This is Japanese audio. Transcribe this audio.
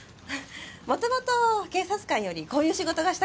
もともと警察官よりこういう仕事がしたかったんです。